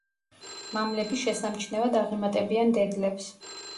მამლები შესამჩნევად აღემატებიან დედლებს.